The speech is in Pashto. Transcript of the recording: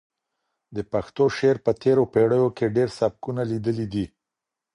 د پښتو شعر په تېرو پېړیو کې ډېر سبکونه لیدلي دي.